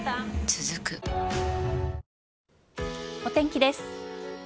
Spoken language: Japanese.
続くお天気です。